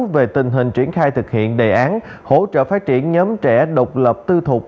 về tình hình triển khai thực hiện đề án hỗ trợ phát triển nhóm trẻ độc lập tư thục